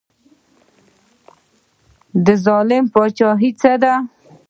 ظلم د پاچاهۍ څه دی؟